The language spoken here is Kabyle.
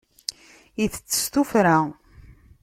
Itett s tuffra.